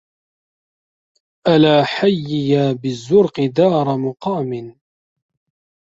ألا حييا بالزرق دار مقام